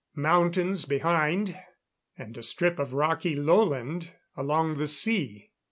Mountains behind, and a strip of rocky lowland along the sea.